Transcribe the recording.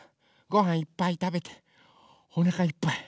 ごはんいっぱいたべておなかいっぱい。